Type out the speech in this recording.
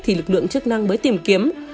thì lực lượng chức năng mới tìm kiếm